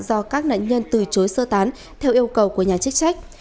do các nạn nhân từ chối sơ tán theo yêu cầu của nhà chức trách